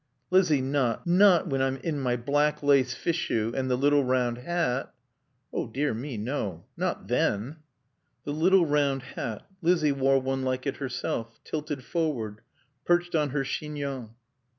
"Lizzie not not when I'm in my black lace fichu and the little round hat?" "Oh, dear me no. Not then." The little round hat, Lizzie wore one like it herself, tilted forward, perched on her chignon.